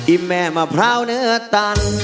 แม่มะพร้าวเนื้อตัน